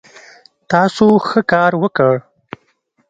تاسو ښه کار وکړ